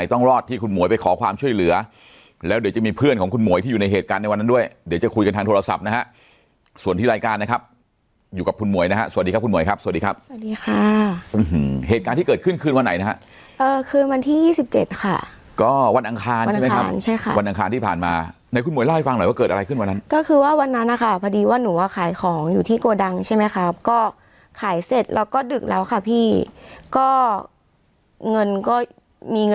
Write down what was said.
ต้องรอดที่คุณหมวยไปขอความช่วยเหลือแล้วเดี๋ยวจะมีเพื่อนของคุณหมวยที่อยู่ในเหตุการณ์ในวันนั้นด้วยเดี๋ยวจะคุยกันทางโทรศัพท์นะฮะส่วนที่รายการนะครับอยู่กับคุณหมวยนะฮะสวัสดีครับคุณหมวยครับสวัสดีครับสวัสดีค่ะอื้อหือเหตุการณ์ที่เกิดขึ้นคืนวันไหนนะฮะเออคือวันที่ยี่สิบเจ็ดค่ะก็ว